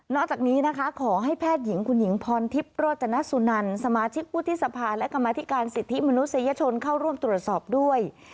จากนี้นะคะขอให้แพทย์หญิงคุณหญิงพรทิพย์โรจนสุนันสมาชิกวุฒิสภาและกรรมธิการสิทธิมนุษยชนเข้าร่วมตรวจสอบด้วย